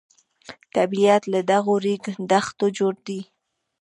طبیعت له دغو ریګ دښتو جوړ دی.